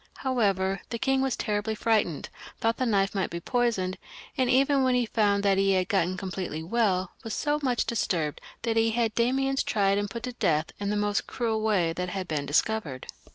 However, the king was terribly frightened, thought the knife might be poisoned, and even when he foimd that he had got completely well, was so much disturbed, that he had Damiens tried and put to death in the most cruel way that had then been dis covered.